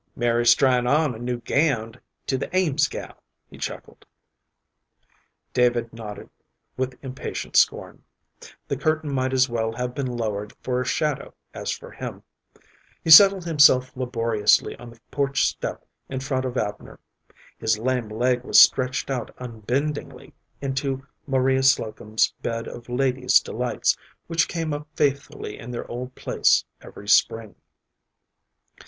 "Mari's tryin' on a new gownd to the Ames gal," he chuckled. David nodded with impatient scorn. The curtain might as well have been lowered for a shadow as for him. He settled himself laboriously on the porch step in front of Abner. His lame leg was stretched out unbendingly into Maria Slocum's bed of lady's delights which came up faithfully in their old place every spring.